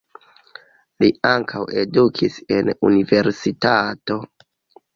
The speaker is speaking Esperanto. Li ankaŭ edukis en universitato.